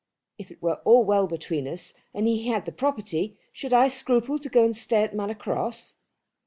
If it were all well between us and he had the property, should I scruple to go and stay at Manor Cross."